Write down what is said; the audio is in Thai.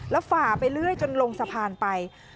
แล้วฝ่าไปเรื่อยจนลงสะพานไป